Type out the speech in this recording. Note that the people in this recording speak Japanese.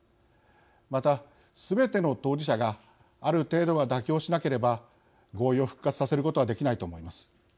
またすべての当事者がある程度は妥協しなければ合意を復活させることはできないと思います。